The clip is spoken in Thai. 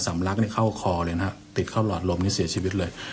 ลักนี่เข้าคอเลยนะฮะติดเข้าหลอดลมนี้เสียชีวิตเลย